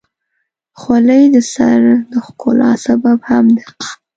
خولۍ د سر د ښکلا سبب هم ده.